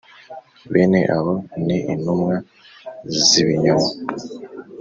Bene abo ni intumwa z ibinyoma